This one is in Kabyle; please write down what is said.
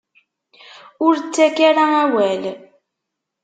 Ur ttak ara awal.